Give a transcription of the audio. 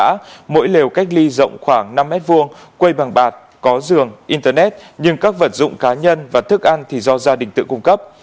trong đó mỗi lều cách ly rộng khoảng năm m hai quầy bằng bạt có giường internet nhưng các vật dụng cá nhân và thức ăn thì do gia đình tự cung cấp